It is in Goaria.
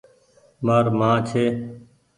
مآر مان ڇي۔